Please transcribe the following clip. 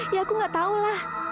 ya aku nggak tahu lah